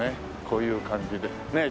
こういう感じで。